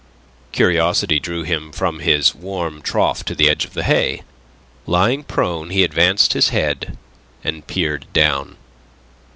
Curiosity drew him from his warm trough to the edge of the hay. Lying prone, he advanced his head and peered down.